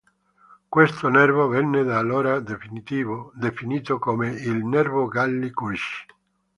Questo nervo venne da allora definito come il "nervo Galli-Curci".